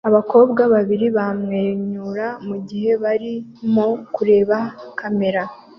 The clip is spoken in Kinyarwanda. Abakobwa babiri bamwenyura mugihe barimo kureba kamera